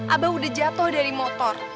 abah udah jatuh dari motor